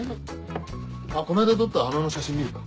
あっこの間撮った花の写真見るか？